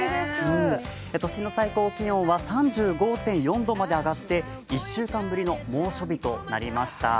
都心の最高気温は３５．４度まで上がって１週間ぶりの猛暑日となりました。